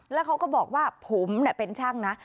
แล้วเขาก็บอกว่าผมเป็นช่างนะ